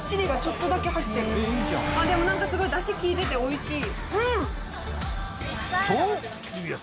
でも何かすごいダシきいてておいしい。